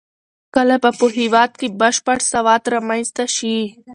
کله به په هېواد کې بشپړ سواد رامنځته شي؟